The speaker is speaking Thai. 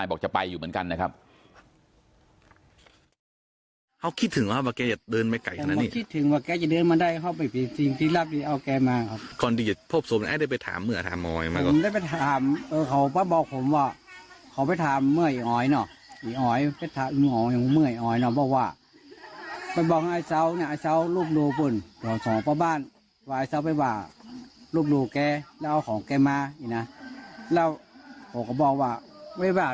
บ้านว่าไอ้เซ้าไปบ่าลูกแกแล้วเอาของแกมานะแล้วโหกบอกว่าไอ้บ่า